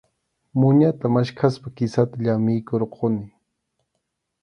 Muñata maskaspa kisata llamiykurquni.